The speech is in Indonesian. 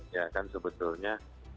ya kan sebetulnya